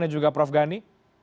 dan juga prof gani